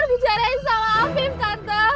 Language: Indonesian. bicarain sama afif tante